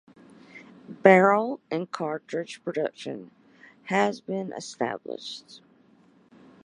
Barrel and cartridge production has been established.